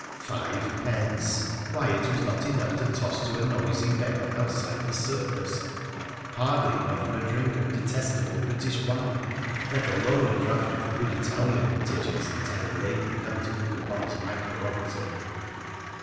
Five pence ! Why, it was not enough to toss to a Eoisy beggar outside the circus — hardly enough for a drink of detestable British wine, let alone a draught of the good Italian vintages that I had lately come to look upon as my prerogative